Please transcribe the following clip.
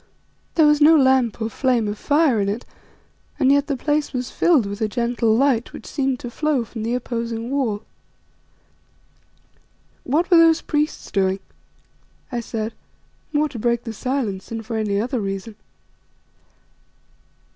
There was no lamp or flame of fire in it, and yet the place was filled with a gentle light which seemed to flow from the opposing wall. "What were those priests doing?" I said, more to break the silence than for any other reason.